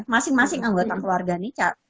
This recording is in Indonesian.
masing masing anggota keluarga ini